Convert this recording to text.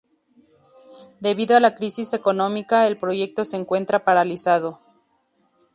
Debido a la crisis económica, el proyecto se encuentra paralizado.